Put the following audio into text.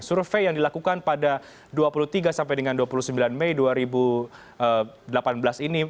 survei yang dilakukan pada dua puluh tiga sampai dengan dua puluh sembilan mei dua ribu delapan belas ini